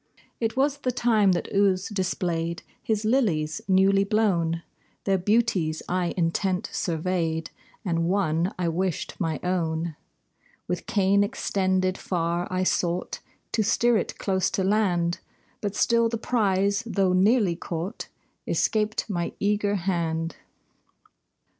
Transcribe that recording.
It was the time that Ouse displayed His lilies newly blown; Their beauties I intent surveyed, And one I wished my own. With cane extended far I sought To steer it close to land; But still the prize, though nearly caught, Escaped my eager hand.